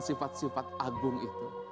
sifat sifat agung itu